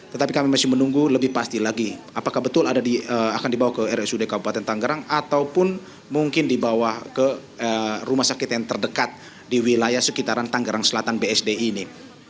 tetapi kami masih menunggu lebih pasti lagi apakah betul akan dibawa ke rsud kabupaten tanggerang ataupun mungkin dibawa ke rumah sakit yang terdekat di wilayah sekitaran tanggerang selatan bsd ini